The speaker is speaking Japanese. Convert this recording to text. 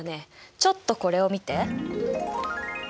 ちょっとこれを見て。